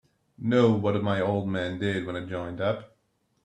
Know what my old man did when I joined up?